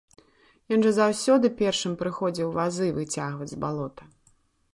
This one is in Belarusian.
Ён жа заўсёды першым прыходзіў вазы выцягваць з балота.